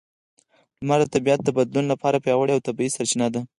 لمر د طبیعت د بدلون لپاره پیاوړې او طبیعي سرچینه ده.